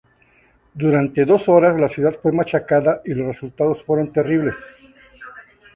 Durante dos horas la ciudad fue machacada y los resultados fueron terribles.